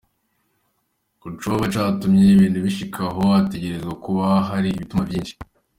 "Ku coba catumye ibintu bishika aho, hategerezwa kuba hati ibituma vyinshi.